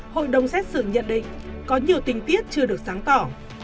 hội đồng xét xử nhận định có nhiều tình tiết chưa được sáng tỏ